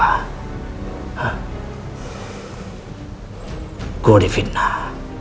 saya di fitnah